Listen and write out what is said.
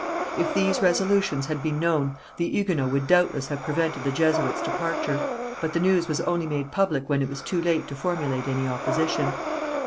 If these resolutions had been known, the Huguenots would doubtless have prevented the Jesuits' departure, but the news was only made public when it was too late to formulate any opposition.